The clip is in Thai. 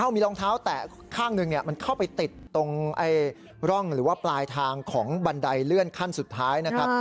มีรองเท้าแตะข้างหนึ่งมันเข้าไปติดตรงร่องหรือว่าปลายทางของบันไดเลื่อนขั้นสุดท้ายนะครับ